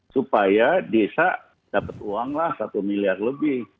supaya desa dapat uanglah satu miliar lebih